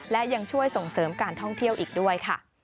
และยังช่วยส่งเสริมการท่องเที่ยวอีกด้วยค่ะ